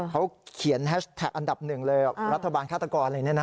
เขาเขียนแฮชแท็กอันดับหนึ่งเลยรัฐบาลฆาตกรอะไรเนี่ยนะ